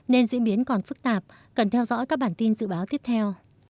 nên diễn biến còn phức tạp cần theo dõi các bản tin dự báo tiếp theo